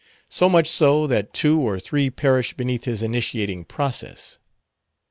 So much so, that two or three perish beneath his initiating process.